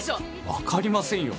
分かりませんよ。